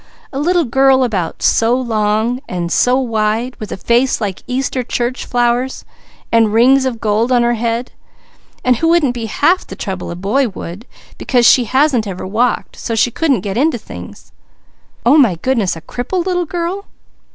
A little girl about so long, and so wide, with a face like Easter church flowers, and rings of gold on her head, and who wouldn't be half the trouble a boy would, because she hasn't ever walked, so she couldn't get into things." "Oh my goodness! A crippled little girl?"